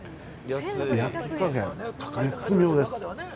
焼き加減、絶妙です。